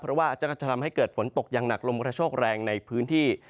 เพราะว่าจะทำให้เกิดฝนตกอย่างหนักลมกระโชคแรงในพื้นที่